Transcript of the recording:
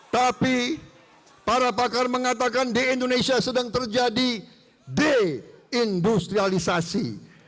tapi para pakar mengatakan di indonesia sedang terjadi deindustrialisasi